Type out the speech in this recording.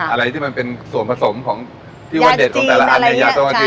อะไรที่มันเป็นส่วนผสมของที่ว่าเด็ดของแต่ละอันในยาเจ้าหน้าที่